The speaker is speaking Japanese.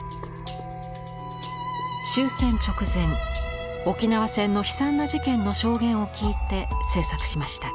終戦直前沖縄戦の悲惨な事件の証言を聞いて制作しました。